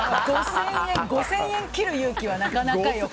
５０００円切る勇気はなかなかよ。